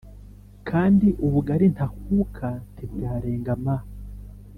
kandi ubugali ntakuka ntibwarenga m ,